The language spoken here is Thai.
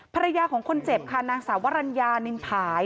ภรรยาของคนเจ็บค่ะนางสาววรรณญานินผาย